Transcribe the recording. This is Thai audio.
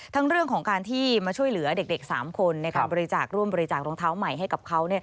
เรื่องของการที่มาช่วยเหลือเด็ก๓คนในการบริจาคร่วมบริจาครองเท้าใหม่ให้กับเขา